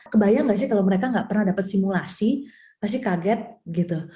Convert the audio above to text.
kebayang gak sih kalau mereka nggak pernah dapat simulasi pasti kaget gitu